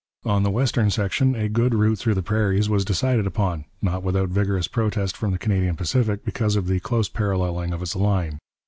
On the western section a good route through the prairies was decided upon, not without vigorous protest from the Canadian Pacific because of the close paralleling of its line.